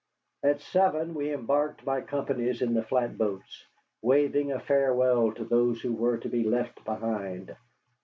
At seven we embarked by companies in the flatboats, waving a farewell to those who were to be left behind.